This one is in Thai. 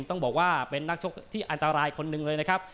ต้องบอกว่าเป็นนักชกที่อันตรายคนหนึ่งเลยนะครับ